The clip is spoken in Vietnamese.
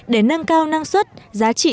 để nâng cao năng suất giá trị